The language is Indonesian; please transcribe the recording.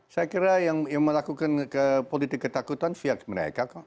saya kira yang melakukan politik ketakutan pihak mereka kok